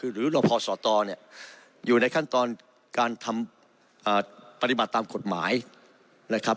หรือรอพอสตเนี่ยอยู่ในขั้นตอนการทำปฏิบัติตามกฎหมายนะครับ